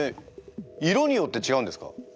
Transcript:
色によって違うんですか？